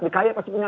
dki pasti punya